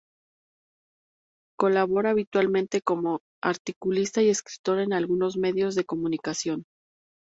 Colabora habitualmente como articulista y escritor en algunos medios de comunicación.